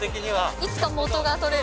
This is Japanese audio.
いつか元が取れる？